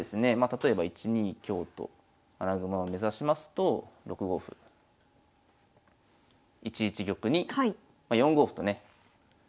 例えば１二香と穴熊を目指しますと６五歩１一玉に４五歩とね突かれて。